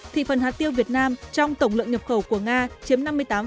thị phần hạt tiêu việt nam trong tổng lượng nhập khẩu của nga chiếm năm mươi tám